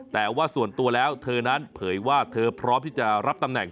แต่ว่าส่วนตัวแล้วเธอนั้นเผยว่าเธอพร้อมที่จะรับตำแหน่ง